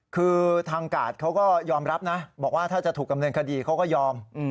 คือทางกาดเขาก็ยอมรับนะบอกว่าถ้าจะถูกดำเนินคดีเขาก็ยอม